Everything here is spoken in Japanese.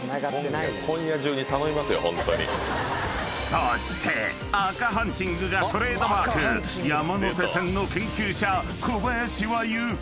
［そして赤ハンチングがトレードマーク山手線の研究者小林は言う］